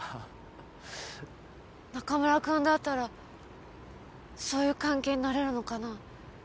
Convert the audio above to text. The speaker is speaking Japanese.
中村くんだったらそういう関係になれるのかな？